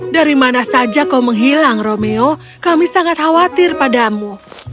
dari mana saja kau menghilang romeo kami sangat khawatir padamu